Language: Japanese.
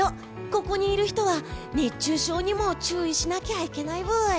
ここにいる人は、熱中症にも注意しなきゃいけないブイ。